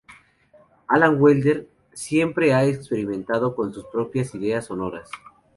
Alan Wilder siempre ha experimentado con sus propias ideas sonoras.